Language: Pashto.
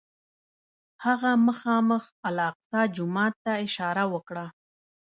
هغه مخامخ الاقصی جومات ته اشاره وکړه.